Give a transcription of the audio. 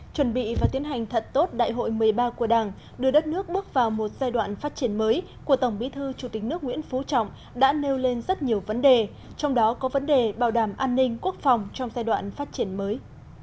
chuẩn bị và tiến hành thật tốt đại hội một mươi ba của đảng đưa đất nước bước vào một giai đoạn phát triển mới của tổng bí thư chủ tịch nước nguyễn phú trọng đã nêu lên rất nhiều vấn đề trong đó có vấn đề bảo đảm an ninh quốc phòng trong giai đoạn phát triển mới